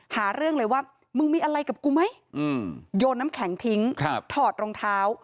หาเรื่องเลยว่ามึงมีอะไรกับกูไหมโยนน้ำแข็งทิ้งถอดรองเท้า